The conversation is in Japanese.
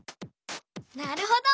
なるほど。